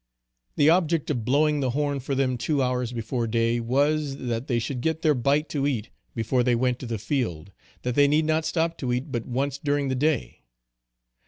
The object of blowing the horn for them two hours before day, was, that they should get their bite to eat, before they went to the field, that they need not stop to eat but once during the day.